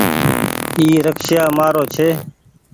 اي رڪسييآ مآرو ڇي